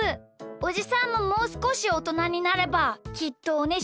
おじさんももうすこしおとなになればきっとおねしょしなくなるよ。